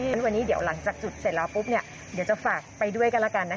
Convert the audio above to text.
ฉะวันนี้เดี๋ยวหลังจากจุดเสร็จแล้วปุ๊บเนี่ยเดี๋ยวจะฝากไปด้วยกันแล้วกันนะคะ